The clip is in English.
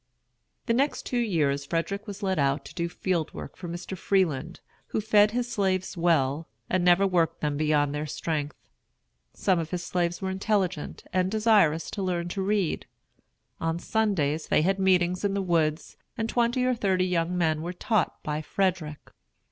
The next two years Frederick was let out to do field work for Mr. Freeland, who fed his slaves well, and never worked them beyond their strength. Some of his slaves were intelligent, and desirous to learn to read. On Sundays they had meetings in the woods, and twenty or thirty young men were taught by Frederick.